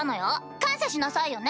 感謝しなさいよね。